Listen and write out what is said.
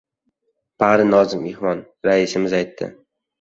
Bari nozik mehmon. Raisimiz aytdi.